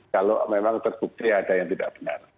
kalau memang terbukti ada yang tidak benar